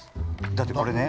だってこれね